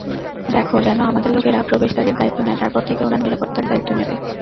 দেখো যেন আমাদের লোকেরা প্রবেশদ্বারের দায়িত্ব নেয়, তারপর থেকে ওনার নিরাপত্তা দায়িত্ব নেবে।